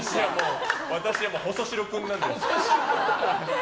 私は細白君なので。